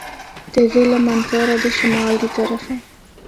تے ضلع مانسہرہ دے شمال دی طرف اے۔